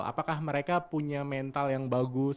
apakah mereka punya mental yang bagus